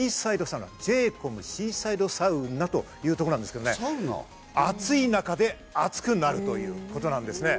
シーサイドサウナというところなんですけどね、暑い中で熱くなるということなんですね。